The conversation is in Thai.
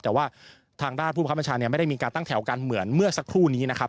แต่ว่าทางด้านผู้ประคับบัญชาเนี่ยไม่ได้มีการตั้งแถวกันเหมือนเมื่อสักครู่นี้นะครับ